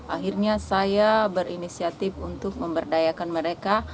akhirnya saya berinisiatif untuk memberdayakan mereka